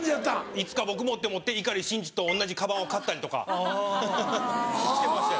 「いつか僕も」って思って碇シンジと同じカバンを買ったりとかしてましたよ。